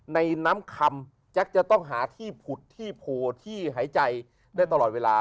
ในน้ำคำแจ๊คจะต้องหาที่ผุดที่โผล่ที่หายใจได้ตลอดเวลา